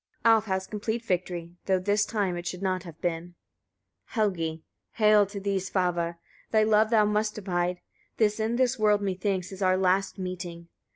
Alf has complete victory, though this time it should not have been! Helgi. 40. Hail to thee, Svava! Thy love thou must divide: this in this world, methinks, is our last meeting.